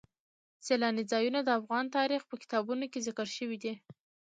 سیلانی ځایونه د افغان تاریخ په کتابونو کې ذکر شوی دي.